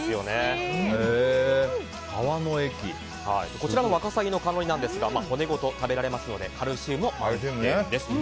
こちらの若さぎの甘露煮ですが骨ごと食べられますのでカルシウムも満点です。